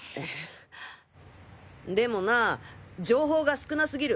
でもな情報が少なすぎる。